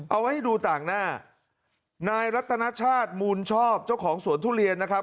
เอาไว้ให้ดูต่างหน้านายรัตนชาติมูลชอบเจ้าของสวนทุเรียนนะครับ